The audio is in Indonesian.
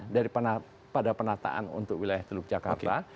dari pada penataan untuk wilayah teluk jakarta